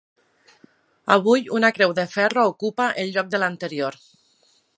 Avui una creu de ferro ocupa el lloc de l'anterior.